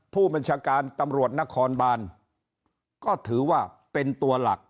ผู้บัญชาการตำรวจนครบานก็ถือว่าเป็นตัวหลัก